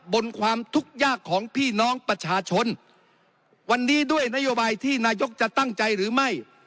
บนความทุกข์ยากของพี่น้องประชาชนวันนี้ด้วยนโยบายที่นายกจะตั้งใจหรือไม่